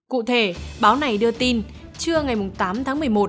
cụ thể báo này đưa tin trưa ngày tám tháng một mươi một